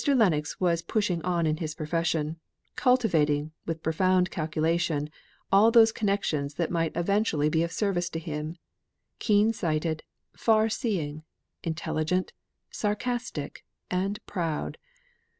Lennox was pushing on in his profession; cultivating, with profound calculation, all those connections that might eventually be of service to him; keen sighted, far seeing, intelligent, sarcastic, and proud.